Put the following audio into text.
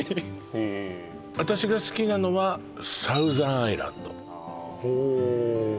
私が好きなのはサウザンアイランドあ